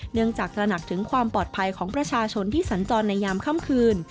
จากตระหนักถึงความปลอดภัยของประชาชนที่สัญจรในยามค่ำคืน